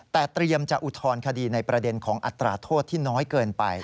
แต่เตรียมจะอุทธรณคดีในประเด็นของอัตราโทษที่น้อยเกินไป